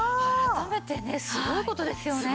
改めてねすごい事ですよね。